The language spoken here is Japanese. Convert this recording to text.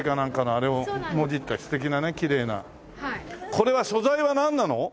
これは素材はなんなの？